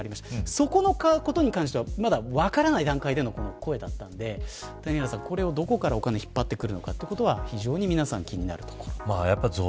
そこのことに関しては、まだ分からない段階での声だったので谷原さん、これをどこからお金を引っ張ってくるかというのは非常に皆さん気になるところ。